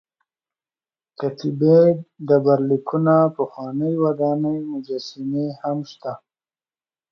کتیبې ډبر لیکونه پخوانۍ ودانۍ مجسمې هم شته.